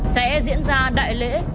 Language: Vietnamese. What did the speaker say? sẽ diễn ra đại lễ